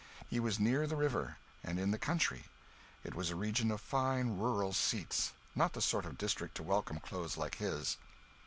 He was near the river, and in the country; it was a region of fine rural seats not the sort of district to welcome clothes like his.